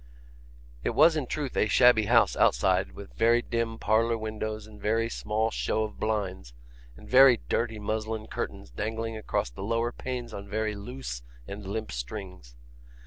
It was in truth a shabby house outside, with very dim parlour windows and very small show of blinds, and very dirty muslin curtains dangling across the lower panes on very loose and limp strings.